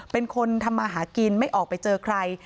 เป็นคนทำมาหากินไม่ออกไปเจอใคร